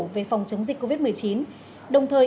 về phòng chống dịch covid một mươi chín đồng thời